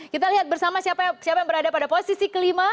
kita lihat bersama siapa yang berada pada posisi kelima